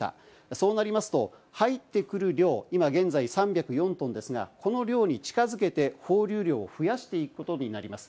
そうなりますと入ってくる量、今現在３０４ｔですが、この量に近づけて、放流量を増やしていくことになります。